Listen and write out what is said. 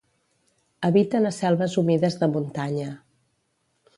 Habiten a selves humides de muntanya.